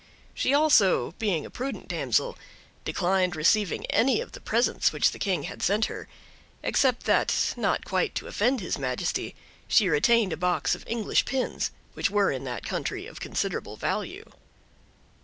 She also, being a prudent damsel, declined receiving any of the presents which the King had sent her; except that, not quite to offend his majesty, she retained a box of English pins, which were in that country of considerable value.